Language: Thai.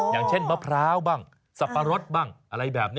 อย่างเช่นมะพร้าวบ้างสับปะรดบ้างอะไรแบบนี้